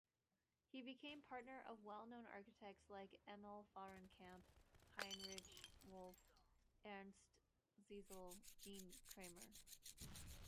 He became partner of well-known architects like Emil Fahrenkamp, Heinrich Wolff, Ernst Ziesel, Jean Krämer.